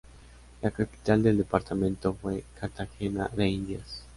La capital del departamento fue Cartagena de Indias.